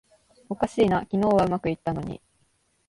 おかしいな、昨日はうまくいったのに